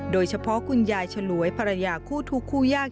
โดยเฉพาะคุณยายชะลวยภรรยาคู่ทุกคู่ยาก